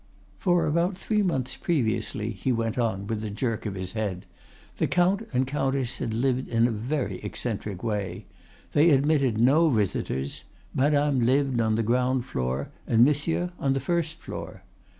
"'For about three months previously,' he went on, with a jerk of his head, 'the Count and Countess had lived in a very eccentric way; they admitted no visitors; Madame lived on the ground floor, and Monsieur on the first floor.